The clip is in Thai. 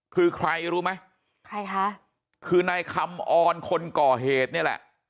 คือใครรู้ไหมใครคะคือนายคำออนคนก่อเหตุนี่แหละ